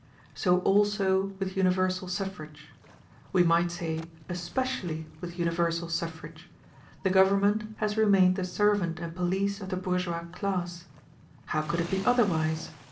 So also with universal suffrage we might say, especially with universal suffrage the government has remained the servant and police of the bourgeois class. How could it be otherwise?